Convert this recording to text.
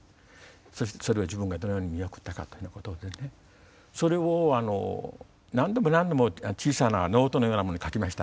そしてそれを自分がどのように見送ったかというようなことでねそれを何度も何度も小さなノートのようなものに書きました。